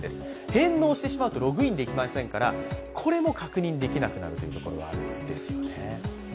返納してしまうとログインできませんからこれも確認できなくなるということなんですよね。